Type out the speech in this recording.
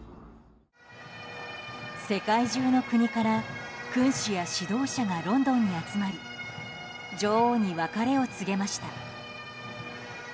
世界中の国から君主や指導者がロンドンに集まり女王に別れを告げました。